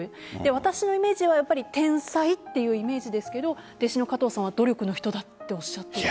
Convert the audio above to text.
私のイメージは天才っていうイメージですけ弟子の加藤さんは努力の人だとおっしゃっていたと。